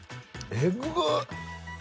えぐっ。